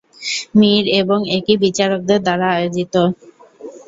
মীর এবং একই বিচারকদের দ্বারা আয়োজিত।